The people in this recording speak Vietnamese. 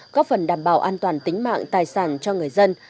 góp phần đảm bảo an toàn tính mạng tài sản cho người dân